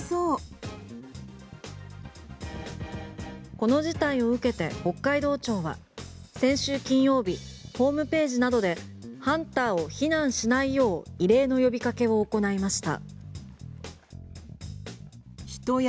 この事態を受けて北海道庁は先週金曜日ホームページなどでハンターを非難しないよう異例の呼びかけを行いました。